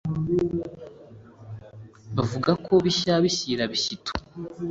bavuga ko bishya bishyira bishyito